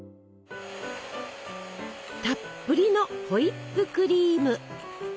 たっぷりのホイップクリーム！